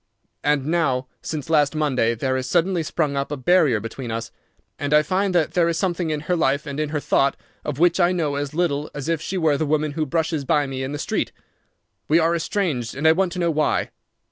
And now, since last Monday, there has suddenly sprung up a barrier between us, and I find that there is something in her life and in her thought of which I know as little as if she were the woman who brushes by me in the street. We are estranged, and I want to know why.